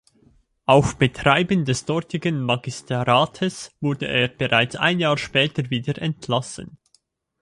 Auf Betreiben des dortigen Magistrates wurde er bereits ein Jahr später wieder entlassen.